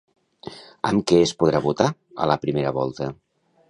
Amb què es podrà votar a la primera volta?